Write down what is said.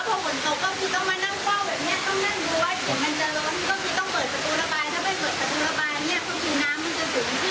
ถ้าไม่เปิดประตูระบายเนี้ยก็คือน้ำมันจะสูงขึ้นเออขึ้น